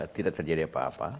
tidak terjadi apa apa